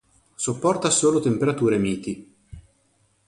Sopporta solo temperature miti.